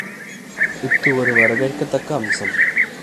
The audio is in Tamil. இஃது ஒரு வரவேற்கத்தக்க அம்சம்.